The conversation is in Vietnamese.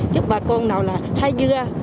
giúp bà con nào là hai dưa